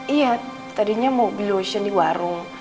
iya tadinya mau beli lotion di warung